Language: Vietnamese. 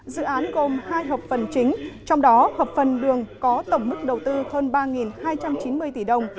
dự án gồm hai hợp phần chính trong đó hợp phần đường có tổng mức đầu tư hơn ba hai trăm chín mươi tỷ đồng